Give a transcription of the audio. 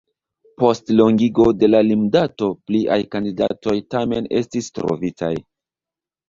Post longigo de la limdato pliaj kandidatoj tamen estis trovitaj.